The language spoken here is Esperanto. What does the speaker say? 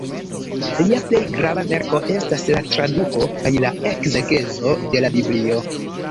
Lia plej grava verko estas la traduko kaj la ekzegezo de la Biblio.